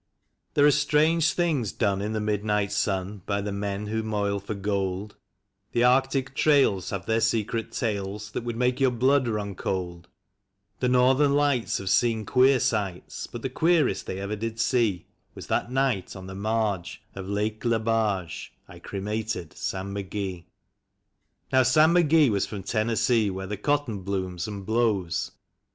THERE are strange things done in the midnight sun By the men ivho moil for gold; The Arctic trails have their secret tales That would make your Mood run cold; The Northern Lights have seen queer sights, BiLt the queerest tliey ever did see Was that night on the marge of Lalce Lebarge I cremated Sam McGee. Xow Sam McGee was from Tennessee, where the cotton blooms and blows.